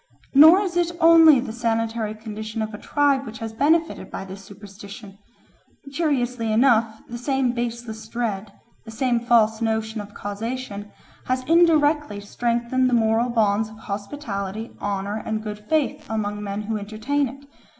Nor is it only the sanitary condition of a tribe which has benefited by this superstition; curiously enough the same baseless dread, the same false notion of causation, has indirectly strengthened the moral bonds of hospitality, honour, and good faith among men who entertain it.